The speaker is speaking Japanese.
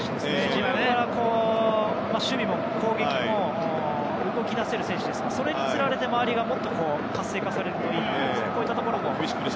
自分から守備も攻撃も動き出せる選手ですからそれにつられて周りがもっと活性化されるといいですね。